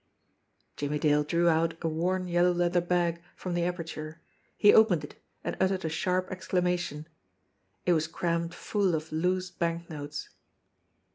Jimmie Dale drew out a worn yellow leather bag from the aperture. He opened it, and uttered a sharp exclamation. It was crammed full of loose banknotes.